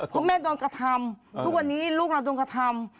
เพราะแม่โดนกระทำทุกวันนี้ลูกเราโดนกระทำ